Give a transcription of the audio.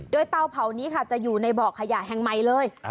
โดยเตาเผานี้ค่ะจะอยู่ในบ่อขยะแห่งใหม่เลย